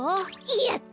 やった！